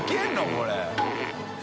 これ。